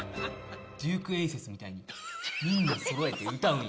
デューク・エイセスみたいに、みんなそろえて歌うんや。